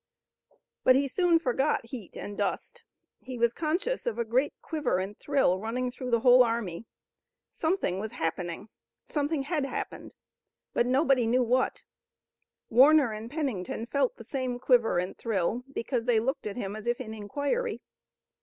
But he soon forgot heat and dust. He was conscious of a great quiver and thrill running through the whole army. Something was happening. Something had happened, but nobody knew what. Warner and Pennington felt the same quiver and thrill, because they looked at him as if in inquiry.